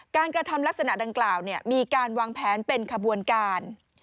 กระทำลักษณะดังกล่าวมีการวางแผนเป็นขบวนการ